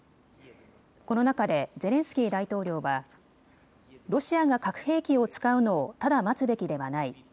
この中でゼレンスキー大統領はロシアが核兵器を使うのをただ待つべきではない。